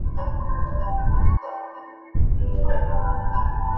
আমি যেয়ে আমার আরও কিছু জিনিস একটা ব্যাগে প্যাক করে ফেলি।